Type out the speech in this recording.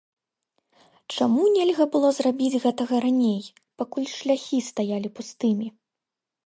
Чаму нельга было зрабіць гэтага раней, пакуль шляхі стаялі пустымі?